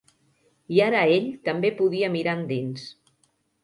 I ara ell també podia mirar endins.